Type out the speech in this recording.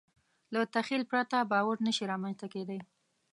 له تخیل پرته باور نهشي رامنځ ته کېدی.